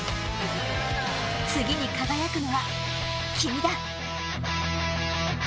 次に輝くのは君だ。